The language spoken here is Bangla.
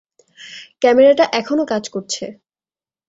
ক্যামেরাটা এখনও কাজ করছে।